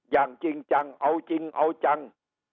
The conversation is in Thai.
อย่างจริงจังเอาจริงเอาจัง